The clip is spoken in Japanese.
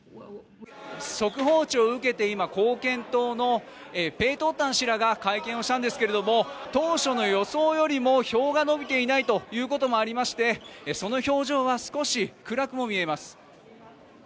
速報値を受けて今、貢献党のペートンタン氏らが会見をしたんですけれども当初の予想よりも票が伸びていないということもありましてその表情は少し暗くも見えます。